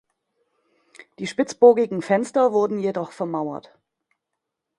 Die spitzbogigen Fenster wurden jedoch vermauert.